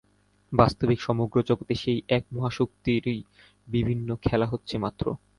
বাস্তবিক সমগ্র জগতে সেই এক মহাশক্তিরই বিভিন্ন খেলা হচ্ছে মাত্র।